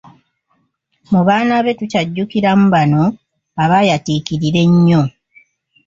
Mu baana be tukyajjukiramu bano abaayatiikirira ennyo.